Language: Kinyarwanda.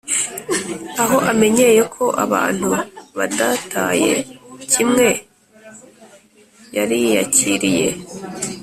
aho amenyeye ko abantu badateye kimwe yariyakiriye,